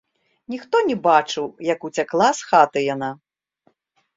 Ніхто не бачыў, як уцякла з хаты яна.